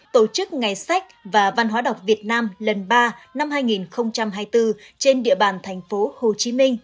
tổ chức ngày sách và văn hóa đọc việt nam lần ba năm hai nghìn hai mươi bốn trên địa bàn thành phố hồ chí minh